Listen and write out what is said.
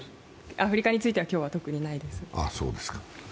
アフリカについては今日は特にないです。